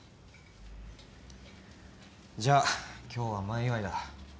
じゃ今日は前祝いだ。